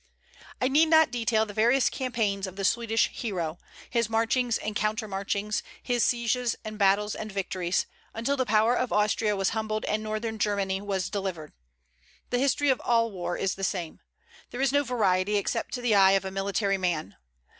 I need not detail the various campaigns of the Swedish hero, his marchings and counter marchings, his sieges and battles and victories, until the power of Austria was humbled and northern Germany was delivered. The history of all war is the same. There is no variety except to the eye of a military man.